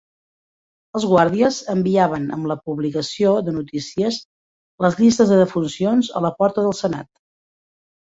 Els guàrdies enviaven amb la publicació de notícies les llistes de defuncions a la porta del senat.